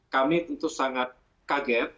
kami tentu sangat kaget